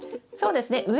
そうですね。